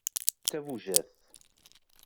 D tabujadt.